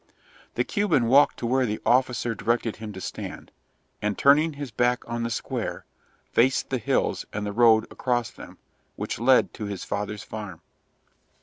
The Cuban walked to where the officer directed him to stand, and turning his back on the square, faced the hills and the road across them, which led to his father's farm.